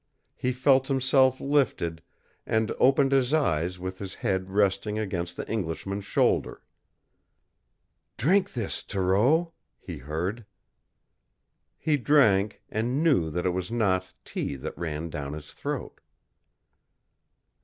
He felt himself lifted, and opened his eyes with his head resting against the Englishman's shoulder. "Drink this, Thoreau," he heard. He drank, and knew that it was not tea that ran down his throat.